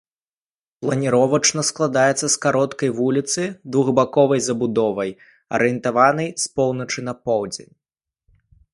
Планіровачна складаецца з кароткай вуліцы з двухбаковай забудовай, арыентаванай з поўначы на поўдзень.